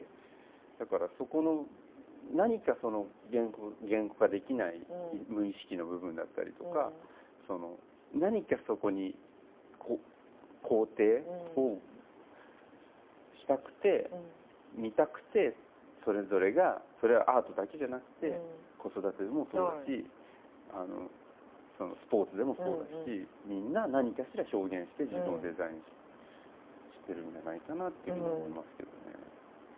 だからそこの何かその言語化できない無意識の部分だったりとか何かそこに肯定をしたくて見たくてそれぞれがそれはアートだけじゃなくて子育てでもそうだしスポーツでもそうだしみんな何かしら表現して自分をデザインしてるんじゃないかなっていうふうに思いますけどね。